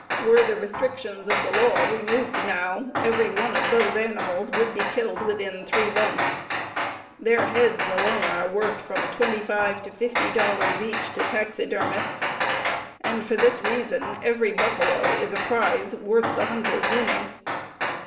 Were the restrictions of the law removed now, every one of those animals would be killed within three months. Their heads alone are worth from $25 to $50 each to taxidermists, and for this reason every buffalo is a prize worth the hunter's winning.